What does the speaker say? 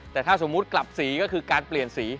แต่ถ้าสมมุติกลับสีก็คือการเปลี่ยนสี